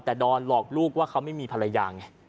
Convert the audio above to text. แต่ดอนหลอกลูกว่าเขาไม่มีภรรยาไง